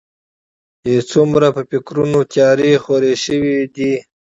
يې څومره په فکرونو تيارې خورې شوي دي.